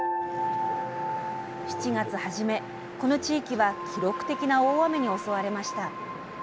７月初めこの地域は記録的な大雨に襲われました。